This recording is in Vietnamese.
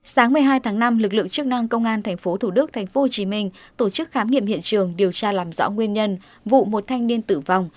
sáng một mươi hai tháng năm lực lượng chức năng công an tp thủ đức tp hcm tổ chức khám nghiệm hiện trường điều tra làm rõ nguyên nhân vụ một thanh niên tử vong